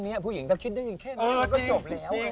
แค่นี้ผู้หญิงจะคิดได้ยินแค่นี้แล้วก็จบแล้ว